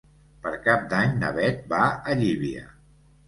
Per Cap d'Any na Beth va a Llívia.